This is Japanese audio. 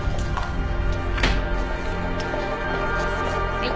はい。